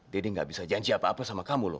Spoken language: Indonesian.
daddy nggak bisa janji apa apa sama kamu loh